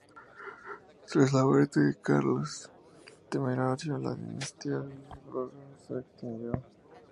Tras la muerte de Carlos el Temerario, la dinastía de los Borgoña se extinguió.